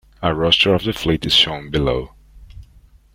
A roster of the fleet is shown below.